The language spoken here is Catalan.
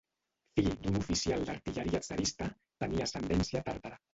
Fill d'un oficial d'artilleria tsarista, tenia ascendència tàrtara.